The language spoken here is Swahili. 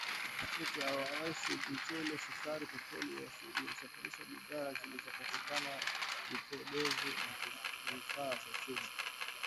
Mafuta ya mawese, mchele, sukari, petroli iliyosafishwa, bidhaa zilizopikwa, vipodozi na vifaa vya chuma